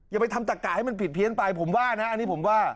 อย่าไปทำตะกะให้มันผิดเพี้ยนไปผมว่านะอันนี้ผมว่า